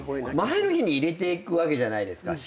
前の日に入れていくじゃないですかしっかり。